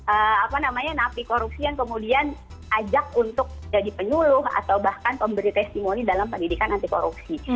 apa namanya napi korupsi yang kemudian ajak untuk jadi penyuluh atau bahkan pemberi testimoni dalam pendidikan anti korupsi